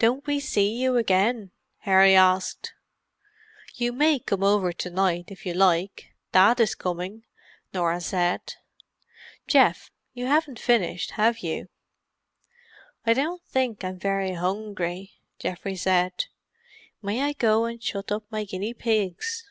"Don't we see you again?" Harry asked. "You may come over to night if you like—Dad is coming," Norah said. "Geoff, you haven't finished, have you?" "I don't think I'm very hungry," Geoffrey said. "May I go and shut up my guinea pigs?"